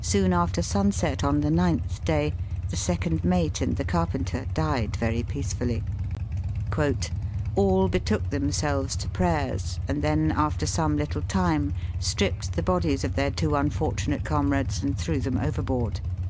Soon after sunset on the ninth day, the second mate and the carpenter died very peacefully. "All betook them selves to prayers, and then after some little time stripped the bodies of their two unfor tunate comrades, and threw them overboard."